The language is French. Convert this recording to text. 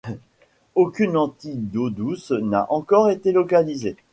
Aucune lentille d'eau douce n'a encore été localisée.